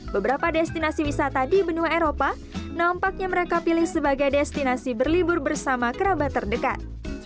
beberapa destinasi wisata di benua eropa nampaknya mereka pilih sebagai destinasi berlibur bersama kerabat terdekat